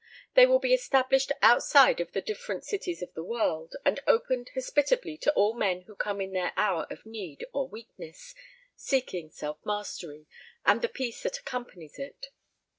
They will be established outside of the different cities of the world, and opened hospitably to all men who come in their hour of need or weakness, seeking Self Mastery and the peace that accompanies it.